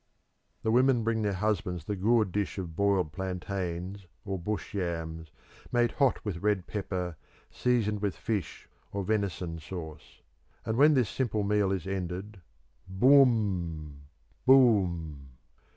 The women bring their husbands the gourd dish of boiled plantains or bush yams, made hot with red pepper, seasoned with fish or venison sauce. And when this simple meal is ended, boom! boom!